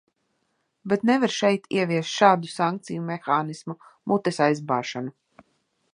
Bet nevar šeit ieviest šādu sankciju mehānismu, mutes aizbāšanu.